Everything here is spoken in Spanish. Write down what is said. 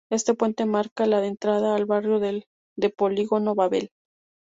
Este puente marca la entrada al barrio de Polígono Babel.